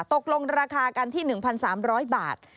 ตกลงราคากันที่๑๓๐๐บาท